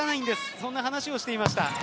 そんな話をしていました。